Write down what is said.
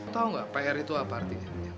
tau gak pr itu apa artinya